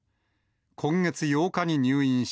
今月８日に入院し、